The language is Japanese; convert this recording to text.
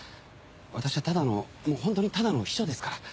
私はただの本当にただの秘書ですから。